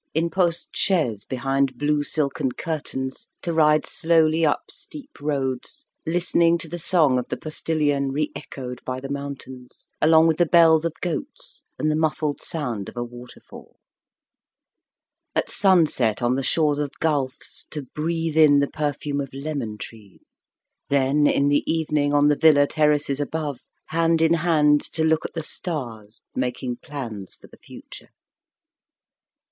In post chaises behind blue silken curtains to ride slowly up steep road, listening to the song of the postilion re echoed by the mountains, along with the bells of goats and the muffled sound of a waterfall; at sunset on the shores of gulfs to breathe in the perfume of lemon trees; then in the evening on the villa terraces above, hand in hand to look at the stars, making plans for the future.